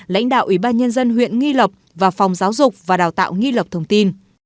lãnh đạo ủy ban nhân dân huyện nghi lộc và phòng giáo dục và đào tạo nghi lộc thông tin